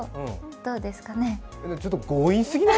そうですかね。